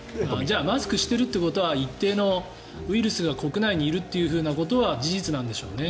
マスクをしているということは一定のウイルスが国内にいるということは事実なんでしょうね。